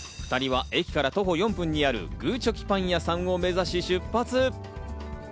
２人は駅から徒歩４分にある、ぐーちょきパン屋さんを目指し、出発。